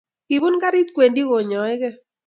Kipun garit kwendi konyaigei